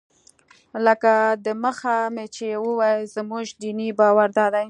لکه دمخه مې چې وویل زموږ دیني باور دادی.